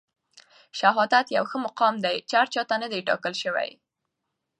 شهادت يو ښه مقام دی چي هر چاته نه دی ټاکل سوی.